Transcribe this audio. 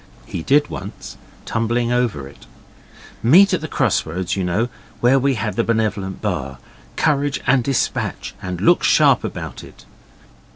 He did once, tumbling over it. 'Meet us at the cross roads, you know, where we had the Benevolent Bar. Courage and dispatch, and look sharp about it.